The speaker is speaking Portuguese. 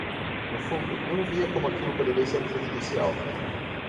No fundo, não via como aquilo poderia ser prejudicial.